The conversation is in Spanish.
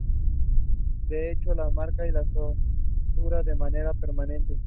Ese hecho, los marca y los tortura de manera permanente.